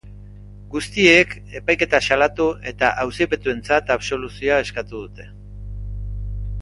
Guztiek epaiketa salatu eta auzipetuentzat absoluzioa eskatu dute.